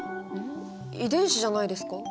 遺伝子じゃないですか？